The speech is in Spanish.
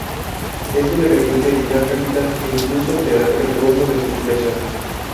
Esto le permite herir al Capitán e incluso alterar el rumbo de sus flechas.